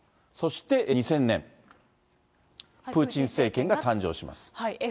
そして２０００年、プーチン政権が誕生します。